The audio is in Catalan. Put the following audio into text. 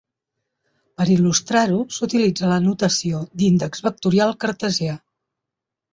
Per il·lustrar-ho, s'utilitza la notació d'índex vectorial cartesià.